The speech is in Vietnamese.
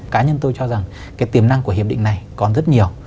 cá nhân tôi cho rằng cái tiềm năng của hiệp định này còn rất nhiều